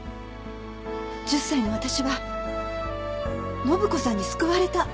１０歳の私は信子さんに救われた。